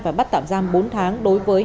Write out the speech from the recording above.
và bắt tạm giam bốn tháng đối với